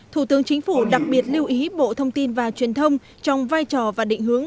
thủ tướng chính phủ đặc biệt lưu ý bộ thông tin và truyền thông trong vai trò và định hướng